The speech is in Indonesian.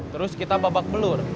terus kita babak pelur